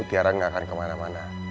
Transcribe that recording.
tiara gak akan kemana mana